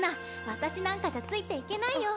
私なんかじゃついていけないよ。